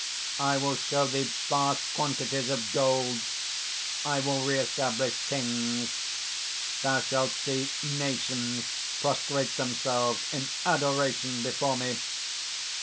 I will show thee vast quantities of gold; I will reestablish kings; thou shalt see nations prostrate themselves in adoration before me!